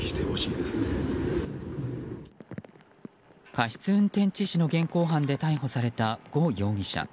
過失運転致死の現行犯で逮捕されたゴ容疑者。